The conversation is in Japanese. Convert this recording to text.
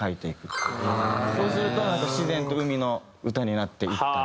そうするとなんか自然と海の歌になっていったり。